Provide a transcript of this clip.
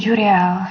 jujur ya al